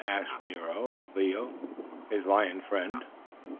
asked Nero of Leo, his lion friend.